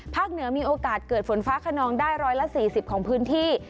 ภาคเหนือมีโอกาสเกิดฝนฟ้าขนองได้ร้อยละสี่สิบของพื้นที่